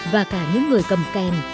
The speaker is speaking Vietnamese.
và cả những người cầm kèm